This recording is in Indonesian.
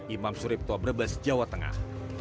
imam suripto brebes jawa tengah